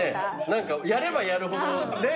何かやればやるほどね。